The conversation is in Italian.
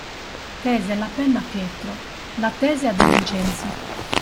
Tese la penna a Pietro, la tese a De Vincenzi.